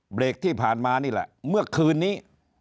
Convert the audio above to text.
เบรกที่ผ่านมานี่แหละเมื่อคืนนี้